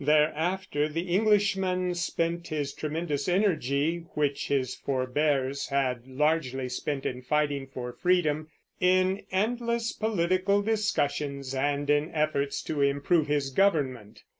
Thereafter the Englishman spent his tremendous energy, which his forbears had largely spent in fighting for freedom, in endless political discussions and in efforts to improve his government.